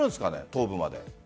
東部まで。